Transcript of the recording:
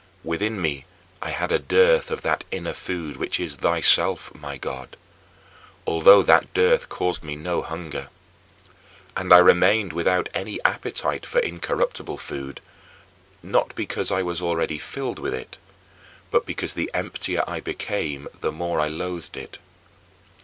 Within me I had a dearth of that inner food which is thyself, my God although that dearth caused me no hunger. And I remained without any appetite for incorruptible food not because I was already filled with it, but because the emptier I became the more I loathed it.